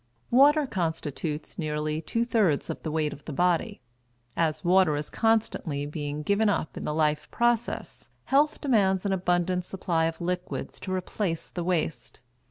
Water constitutes nearly two thirds of the weight of the body. As water is constantly being given up in the life process, health demands an abundant supply of liquids to replace the waste.